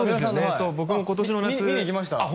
そう僕も今年の夏見に行きましたあっ